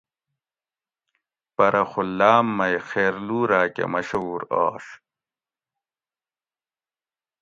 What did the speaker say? پرہ خو لام مئی خیرلو راکہ مشہور آش